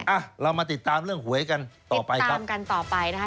อ่ะเรามาติดตามเรื่องหวยกันต่อไปครับรวมกันต่อไปนะคะ